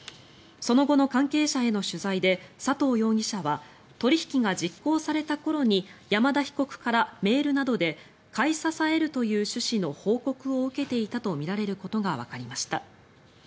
その後の関係者への取材で佐藤容疑者は取引が実行された頃に山田被告からメールなどで買い支えるという趣旨の報告を受けていたとみられることがわかりました。